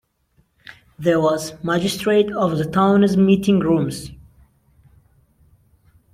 There was magistrate of the town's meeting rooms.